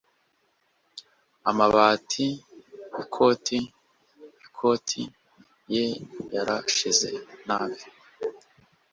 Amabati yikoti yikoti ye yarashize nabi.